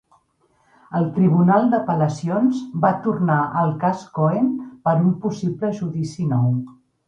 El tribunal d'apel·lacions va tornar al cas Cohen per un possible judici nou.